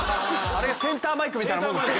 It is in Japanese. あれがセンターマイクみたいなもの？